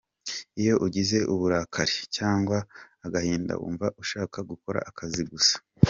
Iyo ugize uburakari ,cyangwa agahinda wumva ushaka gukora akazi gusa.